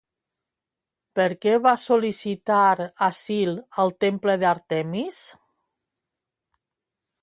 Per què va sol·licitar asil al temple d'Àrtemis?